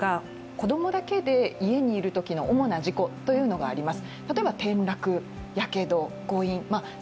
子供だけで家にいる場合の主な事故というのがあります。